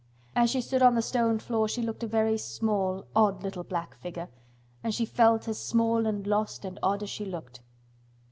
As she stood on the stone floor she looked a very small, odd little black figure, and she felt as small and lost and odd as she looked.